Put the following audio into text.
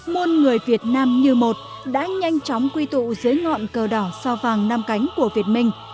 môn người việt nam như một đã nhanh chóng quy tụ dưới ngọn cầu đỏ so vàng nam cánh của việt minh